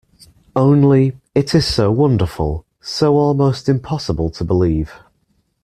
Only, it is so wonderful, so almost impossible to believe.